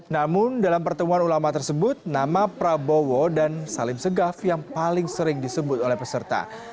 namun dalam pertemuan ulama tersebut nama prabowo dan salim segaf yang paling sering disebut oleh peserta